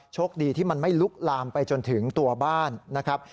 โชคดีที่มันไม่ลุกลามไปจนถึงตัวบ้านนะครับ